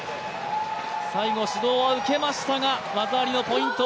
最後、指導は受けましたが技ありのポイント。